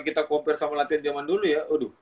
kita compare sama latihan zaman dulu ya